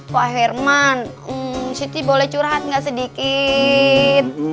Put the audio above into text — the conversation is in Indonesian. pak herman siti boleh curhat gak sedikit